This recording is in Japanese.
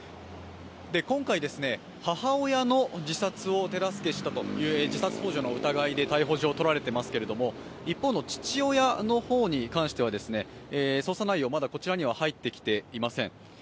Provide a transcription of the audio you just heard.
今回、母親の自殺を手助けしたと自殺ほう助の疑いで逮捕状が取られていますけれども、一方の父親の方に関しては捜査内容、まだこちらには入ってきていません。